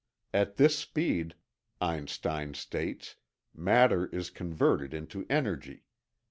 At this speed, Einstein states, matter is converted into energy.